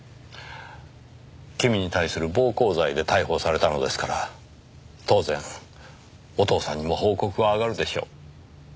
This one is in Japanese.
君に対する暴行罪で逮捕されたのですから当然お父さんにも報告は上がるでしょう。